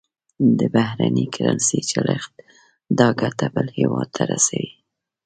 د بهرنۍ کرنسۍ چلښت دا ګټه بل هېواد ته رسوي.